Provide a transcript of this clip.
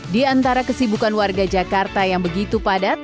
di antara kesibukan warga jakarta yang begitu padat